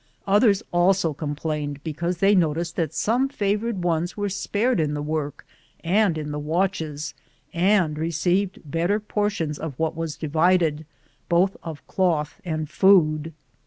Others also com plained because they noticed that some fa vored ones were spared in the work and in the watches and received better portions of what was divided, both of cloth and mod.